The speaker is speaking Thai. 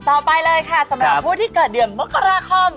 ต่อไปเลยค่ะสำหรับผู้ที่เกิดเดือนมกราคม